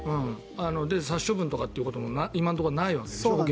殺処分ということも今のところないわけでしょ。